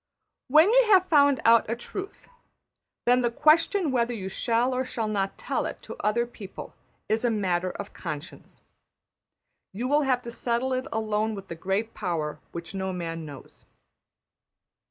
When you have found out a truth, then the question whether you shall or shall not tell it to other people is a matter of conscience. You will have to settle it alone with the Great Power which no man knows.